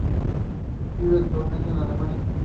Vive actualmente en Alemania.